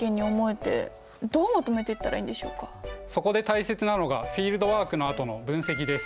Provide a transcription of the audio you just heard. ただそこで大切なのがフィールドワークのあとの分析です。